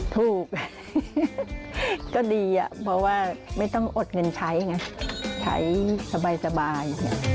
ถูกก็ดีอะเพราะว่าไม่ต้องอดเงินใช้ไงใช้สบาย